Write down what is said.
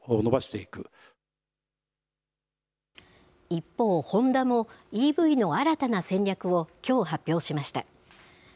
一方、ホンダもＥＶの新たな戦略をきょう発表しました。